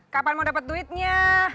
kapan mau dapet duitnya